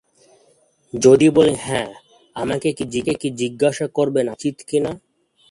যদি বলি হ্যাঁ, আমাকে কি জিজ্ঞাসা করবেন আমি নিশ্চিত কিনা?